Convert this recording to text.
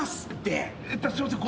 すいません。